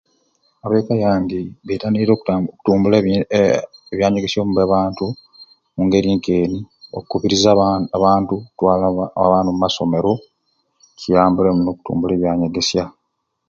Ab'eka yange betaniire okuta okutumbula ebyanye ee ebyanyegesya omu bantu omu ngeri nk'eni okukubiriza aba abantu okutwala aba abaana omu masomero kiyambire muno okutumbula ebyanyegesya.